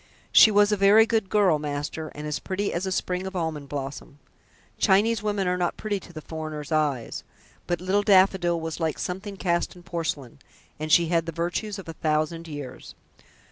She was a very good girl, master, and as pretty as a sprig of almond blossom. Chinese women are not pretty to the foreigner's eyes, but little Daffodil was like something cast in porcelain, and she had the virtues of a thousand years."